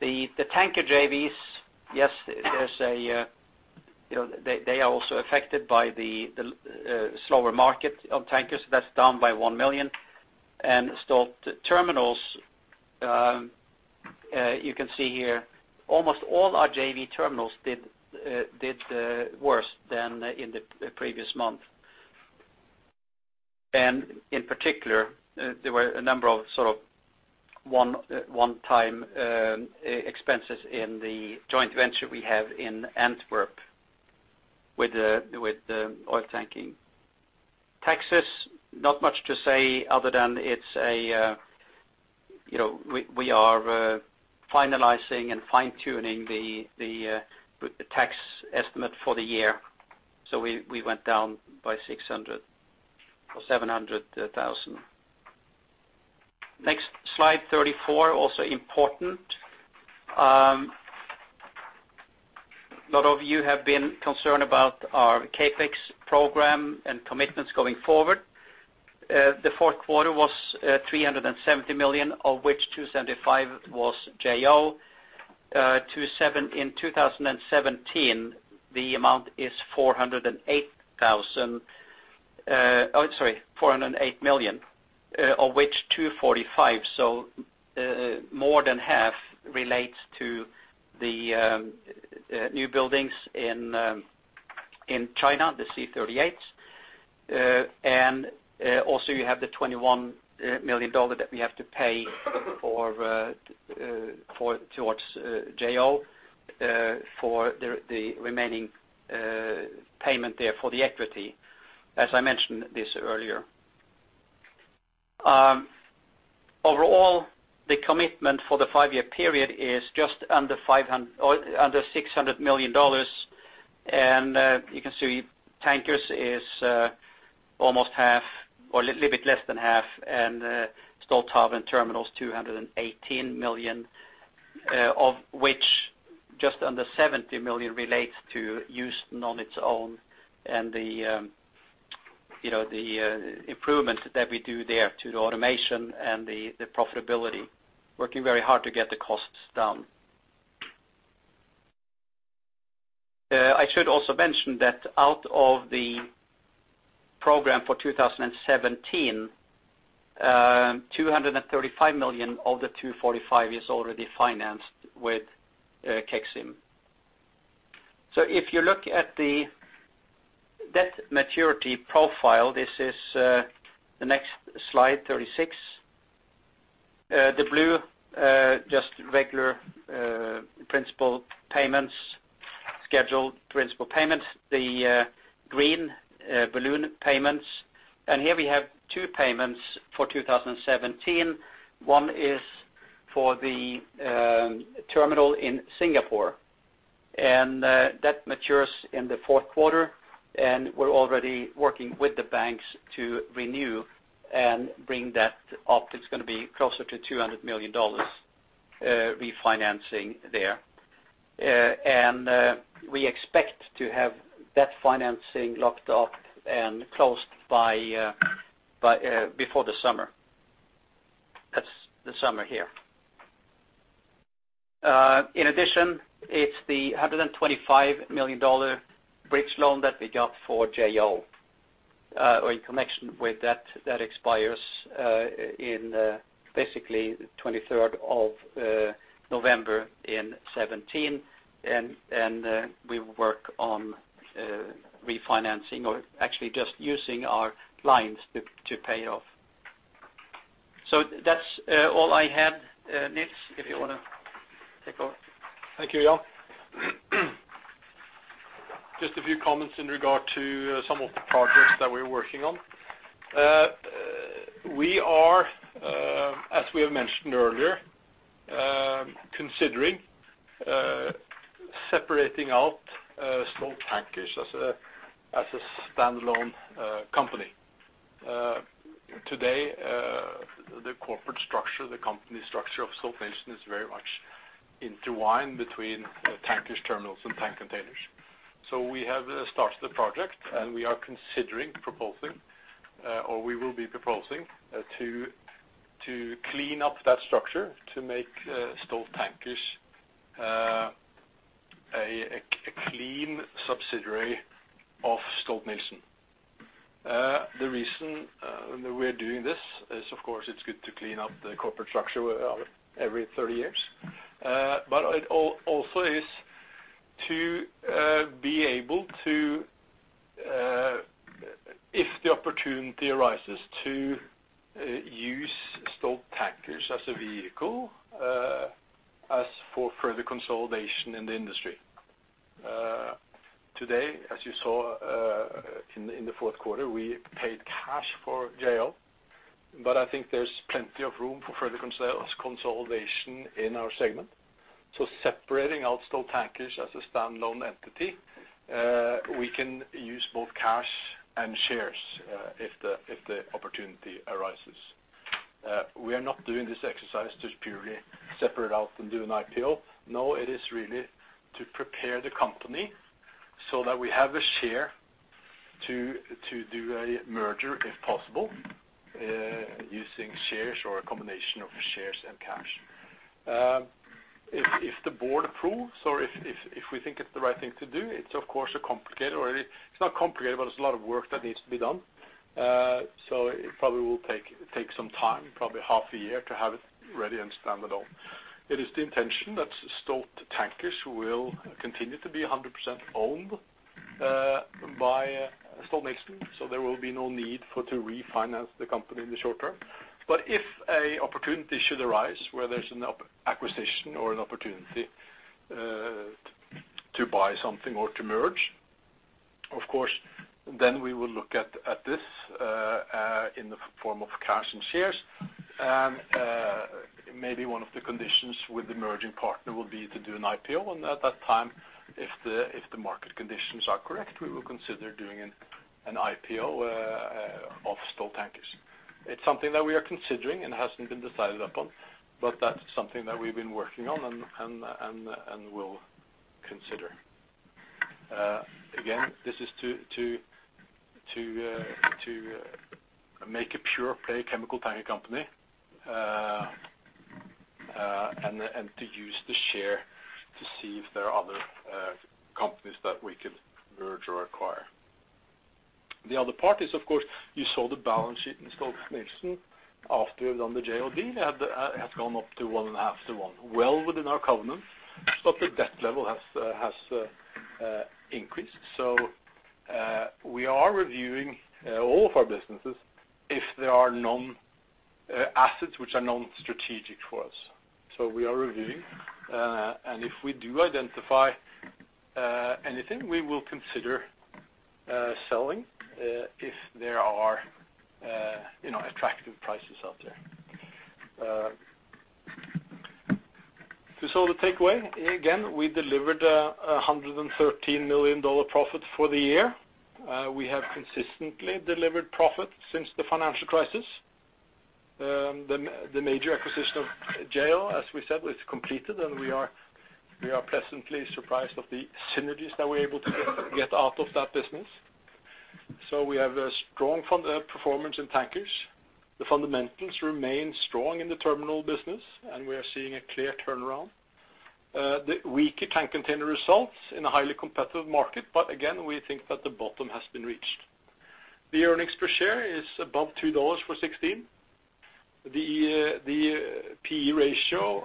The tanker JVs, yes, they are also affected by the slower market of tankers. That's down by $1 million. Stolt terminals, you can see here, almost all our JV terminals did worse than in the previous month. In particular, there were a number of one-time expenses in the joint venture we have in Antwerp with Oiltanking. Taxes, not much to say other than we are finalizing and fine-tuning the tax estimate for the year. We went down by $600,000 or $700,000. Next slide, 34, also important. A lot of you have been concerned about our CapEx program and commitments going forward. The fourth quarter was $370 million, of which $275 million was JO. In 2017, the amount is $408 million, of which $245 million, more than half relates to the new buildings in China, the C38s. Also you have the $21 million that we have to pay towards JO for the remaining payment there for the equity, as I mentioned this earlier. Overall, the commitment for the five-year period is just under $600 million. You can see tankers is almost half or a little bit less than half, and Stolthaven Terminals, $218 million, of which just under $70 million relates to Houston on its own and the improvements that we do there to the automation and the profitability, working very hard to get the costs down. I should also mention that out of the program for 2017, $235 million of the $245 is already financed with KEXIM. If you look at the debt maturity profile, this is the next slide 36. The blue, just regular principal payments, scheduled principal payments. The green, balloon payments. Here we have two payments for 2017. One is for the terminal in Singapore, and that matures in the fourth quarter, and we're already working with the banks to renew and bring that up. It's going to be closer to $200 million refinancing there. We expect to have that financing locked up and closed before the summer. That's the summer here. In addition, it's the $125 million bridge loan that we got for Jo, or in connection with that expires in basically the 23rd of November in 2017, and we work on refinancing or actually just using our lines to pay off. That's all I had. Niels, if you want to take over. Thank you, Jan. Just a few comments in regard to some of the projects that we're working on. We are, as we have mentioned earlier considering separating out Stolt Tankers as a standalone company. Today, the corporate structure, the company structure of Stolt-Nielsen is very much intertwined between Stolt Tankers, Stolthaven, and Stolt Tank Containers. We have started the project, and we are considering proposing, or we will be proposing to clean up that structure to make Stolt Tankers a clean subsidiary of Stolt-Nielsen. The reason we are doing this is, of course, it's good to clean up the corporate structure every 30 years. It also is to be able to, if the opportunity arises, to use Stolt Tankers as a vehicle as for further consolidation in the industry. Today, as you saw in the fourth quarter, we paid cash for JL, I think there's plenty of room for further consolidation in our segment. Separating out Stolt Tankers as a standalone entity, we can use both cash and shares if the opportunity arises. We are not doing this exercise to purely separate out and do an IPO. It is really to prepare the company so that we have a share to do a merger if possible using shares or a combination of shares and cash. If the board approves or if we think it's the right thing to do, it's of course a complicated or it's not complicated, but it's a lot of work that needs to be done. It probably will take some time, probably half a year to have it ready and standalone. It is the intention that Stolt Tankers will continue to be 100% owned by Stolt-Nielsen, there will be no need for to refinance the company in the short term. If a opportunity should arise where there's an acquisition or an opportunity to buy something or to merge, of course, then we will look at this in the form of cash and shares. Maybe one of the conditions with the merging partner will be to do an IPO. At that time, if the market conditions are correct, we will consider doing an IPO of Stolt Tankers. It's something that we are considering and hasn't been decided upon, but that's something that we've been working on and will consider. Again, this is to make a pure play chemical tanker company, to use the share to see if there are other companies that we could merge or acquire. The other part is, of course, you saw the balance sheet in Stolt-Nielsen after on the Jo deal had gone up to one and a half to one, well within our covenant. The debt level has increased. We are reviewing all of our businesses if there are assets which are non-strategic for us. We are reviewing. If we do identify anything, we will consider selling if there are attractive prices out there. The takeaway, again, we delivered $113 million profit for the year. We have consistently delivered profit since the financial crisis. The major acquisition of J.O., as we said, is completed, and we are pleasantly surprised of the synergies that we're able to get out of that business. We have a strong performance in Tankers. The fundamentals remain strong in the terminal business, and we are seeing a clear turnaround. The weaker tank container results in a highly competitive market, but again, we think that the bottom has been reached. The earnings per share is above $2 for 2016. The PE ratio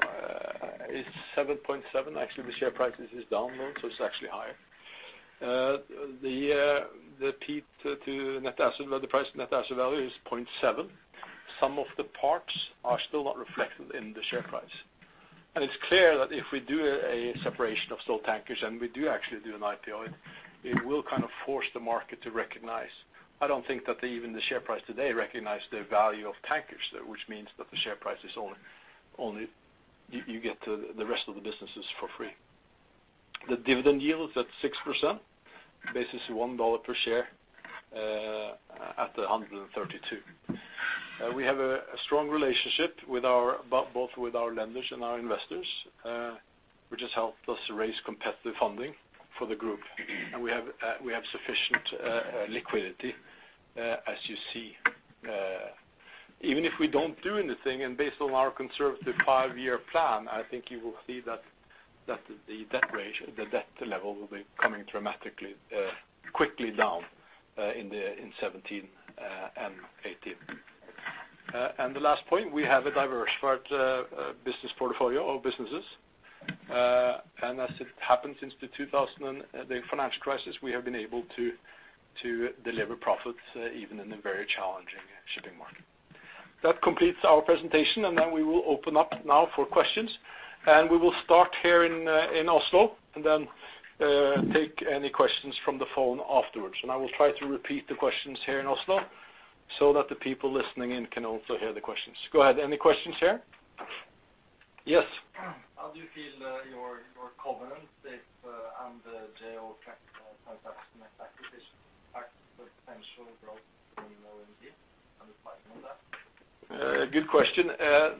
is 7.7. Actually, the share price is down though, so it's actually higher. The P to net asset, the price to net asset value is 0.7. Some of the parts are still not reflected in the share price. It's clear that if we do a separation of Stolt Tankers, and we do actually do an IPO, it will kind of force the market to recognize. I don't think that even the share price today recognize the value of Tankers, which means that the share price is only, you get the rest of the businesses for free. The dividend yield is at 6%, this is $1 per share, at $132. We have a strong relationship both with our lenders and our investors, which has helped us raise competitive funding for the group. We have sufficient liquidity, as you see. Even if we don't do anything, and based on our conservative five-year plan, I think you will see that the debt level will be coming dramatically, quickly down in 2017 and 2018. The last point, we have a diversified business portfolio or businesses. As it happened since 2000, the financial crisis, we have been able to deliver profits even in a very challenging shipping market. That completes our presentation, and then we will open up now for questions. We will start here in Oslo and then take any questions from the phone afterwards. I will try to repeat the questions here in Oslo so that the people listening in can also hear the questions. Go ahead. Any questions here? Yes. How do you feel your covenant if and the Jo transaction or acquisition impact the potential growth in LNG and the timing of that? Good question.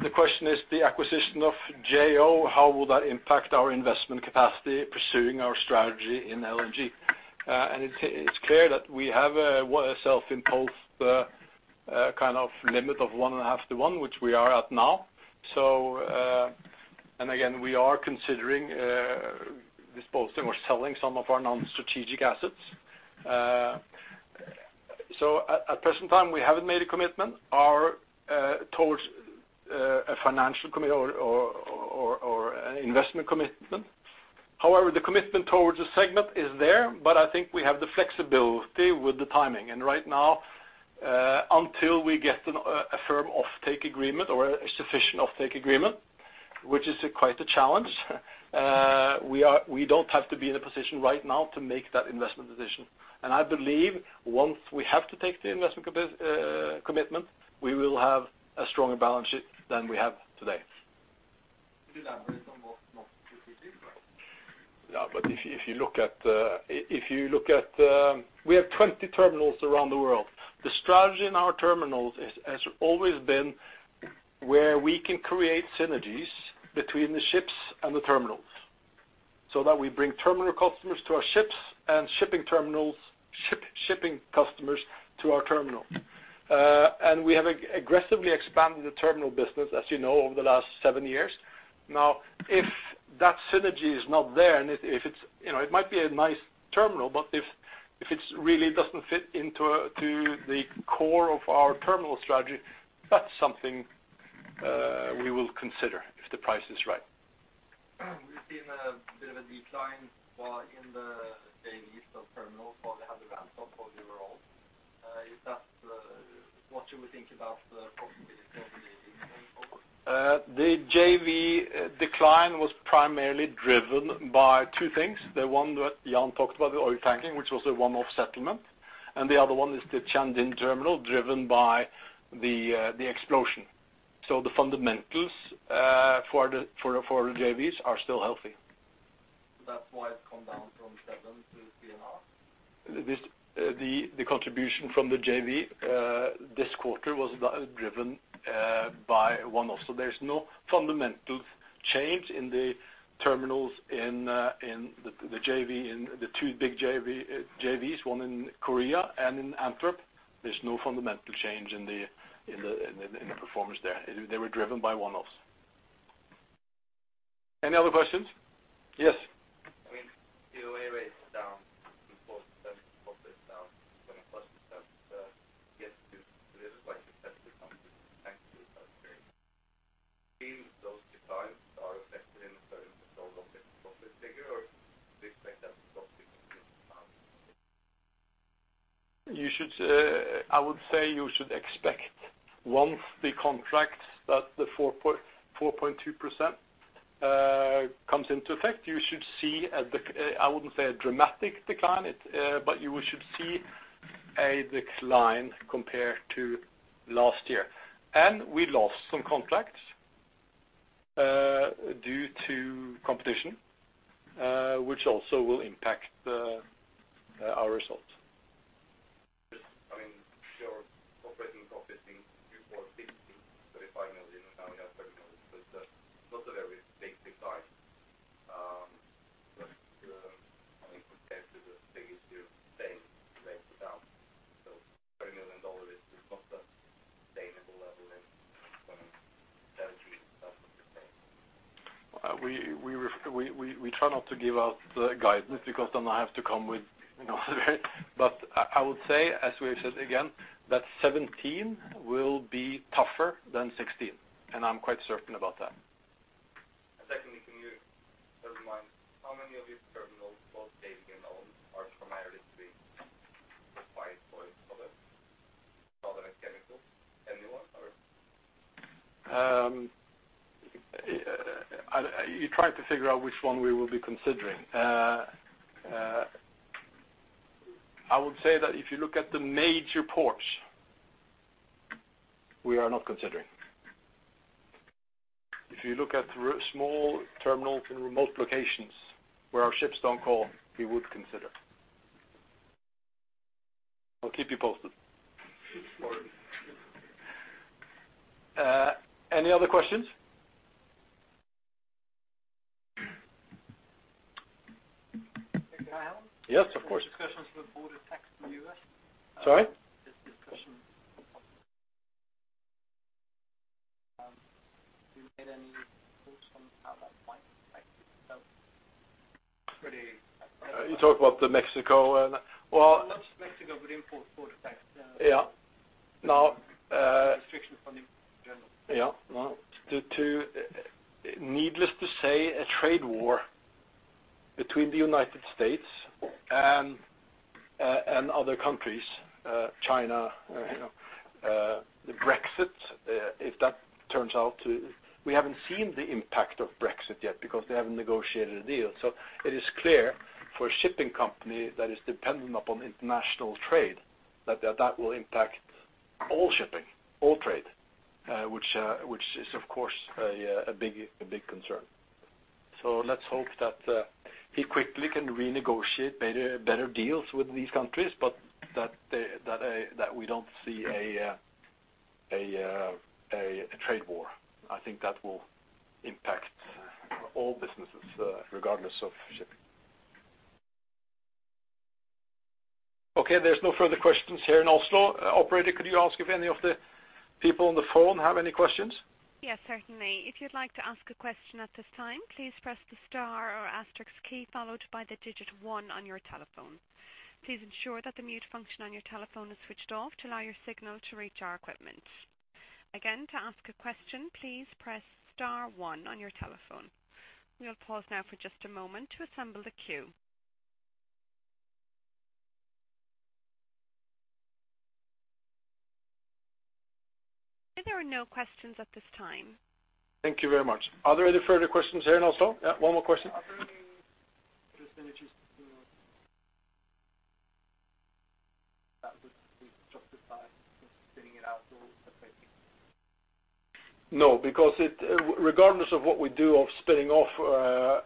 The question is the acquisition of J.O., how will that impact our investment capacity pursuing our strategy in LNG? It's clear that we have a self-imposed kind of limit of 1.5 to 1, which we are at now. Again, we are considering disposing or selling some of our non-strategic assets. At present time, we haven't made a commitment towards a financial or an investment commitment. However, the commitment towards the segment is there, but I think we have the flexibility with the timing. Right now, until we get a firm offtake agreement or a sufficient offtake agreement, which is quite a challenge, we don't have to be in a position right now to make that investment decision. I believe once we have to take the investment commitment, we will have a stronger balance sheet than we have today. Could you elaborate on what not sufficient is? We have 20 terminals around the world. The strategy in our terminals has always been where we can create synergies between the ships and the terminals, so that we bring terminal customers to our ships and shipping customers to our terminal. We have aggressively expanded the terminal business, as you know, over the last seven years. Now, if that synergy is not there, and it might be a nice terminal, but if it really doesn't fit into the core of our terminal strategy, that's something we will consider if the price is right. We've seen a bit of a decline in the JVs of terminals while they have the ramp up for overall. Is that what you would think about the possibility of maybe going forward? The JV decline was primarily driven by two things. The one that Jan talked about, the Oiltanking, which was a one-off settlement, and the other one is the Tianjin Terminal, driven by the explosion. The fundamentals for the JVs are still healthy. That's why it's come down from seven to three and a half? The contribution from the JV this quarter was driven by one-off. There's no fundamental change in the terminals in the two big JVs, one in Korea and in Antwerp. There's no fundamental change in the performance there. They were driven by one-offs. Any other questions? Yes. I mean, the COA rate is down from 4% to 4.2%. I guess it is quite a test to come to the tankering category. Do you think those declines are reflected in the current [inaudible] profit figure, or do you expect that profit to be down? I would say you should expect once the contract that the 4.2% comes into effect, you should see, I wouldn't say a dramatic decline, but you should see a decline compared to last year. We lost some contracts due to competition, which also will impact our results. Just your operating profits in Q4 2016, $35 million, and now we have $30 million, but not a very big decline compared to the biggest year, same went down. $30 million is not a sustainable level in 2017, would you say? We try not to give out guidance. I would say, as we have said again, that 2017 will be tougher than 2016, and I'm quite certain about that. Secondly, can you remind how many of your terminals, both [inaudible] and owned, are primarily to be for [inaudible] products other than chemicals? Any one or? You're trying to figure out which one we will be considering. I would say that if you look at the major ports, we are not considering. If you look at small terminals in remote locations where our ships don't call, we would consider. I'll keep you posted. Sorry. Any other questions? Hey, can I ask? Yes, of course. There's discussions with border tax from the U.S. Sorry? Do you get any thoughts on how that might affect itself? You talk about the Mexico. Not just Mexico, but import border tax. Yeah. Restriction from the general. Needless to say, a trade war between the United States and other countries, China, the Brexit. We haven't seen the impact of Brexit yet because they haven't negotiated a deal. It is clear for a shipping company that is dependent upon international trade, that that will impact all shipping, all trade, which is, of course, a big concern. Let's hope that he quickly can renegotiate better deals with these countries, but that we don't see a trade war. I think that will impact all businesses, regardless of shipping. Okay, there's no further questions here in Oslo. Operator, could you ask if any of the people on the phone have any questions? Yes, certainly. If you'd like to ask a question at this time, please press the star or asterisk key followed by the digit one on your telephone. Please ensure that the mute function on your telephone is switched off to allow your signal to reach our equipment. Again, to ask a question, please press star one on your telephone. We'll pause now for just a moment to assemble the queue. There are no questions at this time. Thank you very much. Are there any further questions here in Oslo? Yeah, one more question. Are there any synergies that would be justified in spinning it out or separating? No, because regardless of what we do of spinning off,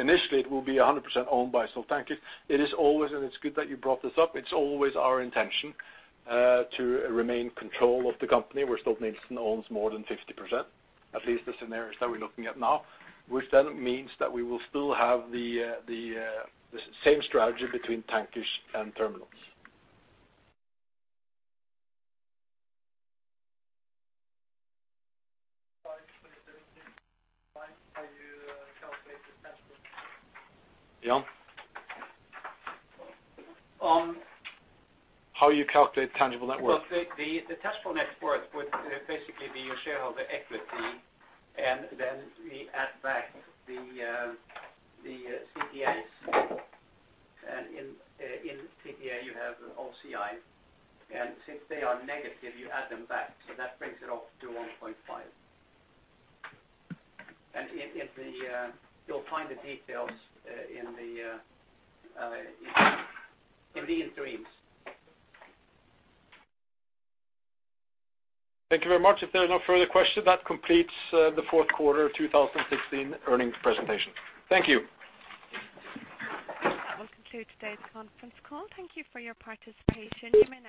initially it will be 100% owned by Stolt Tankers. It is always, and it's good that you brought this up, it's always our intention to remain control of the company where Stolt-Nielsen owns more than 50%, at least the scenarios that we're looking at now, which means that we will still have the same strategy between Tankers and Terminals. Sorry, 2017, how you calculate the tangible net worth? Yeah. How you calculate tangible net worth? The tangible net worth would basically be your shareholder equity, and then we add back the CTAs. In CTA, you have OCI, and since they are negative, you add them back. That brings it off to $1.5. You'll find the details in the interims. Thank you very much. If there are no further questions, that completes the fourth quarter 2016 earnings presentation. Thank you. That will conclude today's conference call. Thank you for your participation.